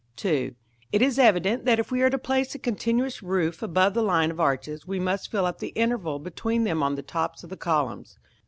§ II. It is evident that if we are to place a continuous roof above the line of arches, we must fill up the intervals between them on the tops of the columns.